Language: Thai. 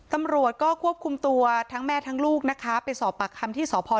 ตำรวจก็ควบคุมตัวทั้งแม่ทั้งลูกนะคะ